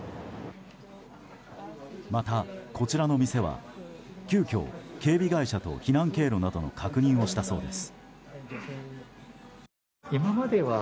またこちらの店は急きょ、警備会社と避難経路などの確認をしたそうです。